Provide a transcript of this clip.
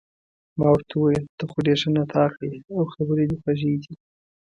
ما ورته وویل: ته خو ډېر ښه نطاق يې، او خبرې دې خوږې دي.